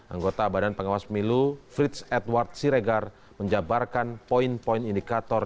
anggota badan pengawas pemilu frits edward siregar menjabarkan poin poin indikator